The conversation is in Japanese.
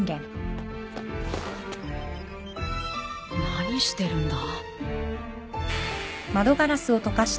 何してるんだ？